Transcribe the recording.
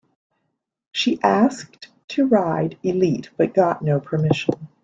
She asked to ride Elite, but got no permission.